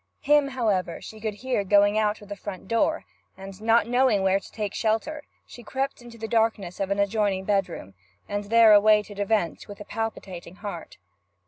Him, however, she could hear going out of the front door, and, not knowing where to take shelter, she crept into the darkness of an adjoining bedroom, and there awaited events with a palpitating heart.